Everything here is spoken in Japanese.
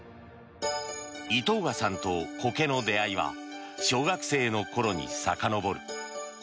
井藤賀さんとコケの出会いは小学生の頃にさかのぼる。